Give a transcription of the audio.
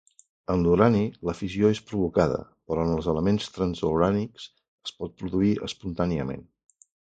En l'urani, la fissió és provocada, però en els elements transurànics es pot produir espontàniament.